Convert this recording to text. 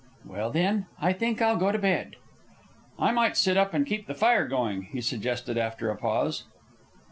"Well, then, I think I'll go to bed." "I might sit up and keep the fire going," he suggested after a pause.